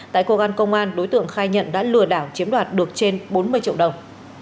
tại công an đối tượng khai nhận đã lừa đảo chiếm đoạt được trên bốn mươi triệu đồng